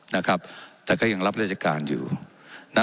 นะครับแต่ก็ยังรับเลือดจักรการอยู่นะ